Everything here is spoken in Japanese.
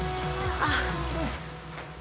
あっ！